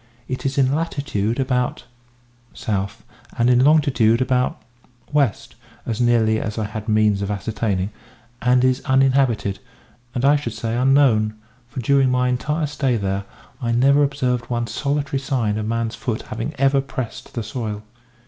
It is in latitude about South, and in longitude about West, as nearly as I had the means of ascertaining; and is uninhabited, and, I should say, unknown; for during my entire stay there, I never observed one solitary sign of man's foot having ever pressed the soil.